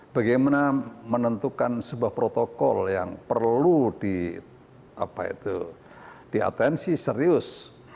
bagaimana menentukan sebuah protokol yang perlu diatensi serius